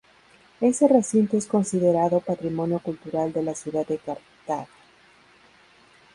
Ese recinto es considerado patrimonio cultural de la ciudad de Cartago.